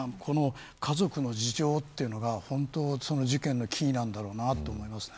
家族の事情というのが事件のキーなんだろうなと思います。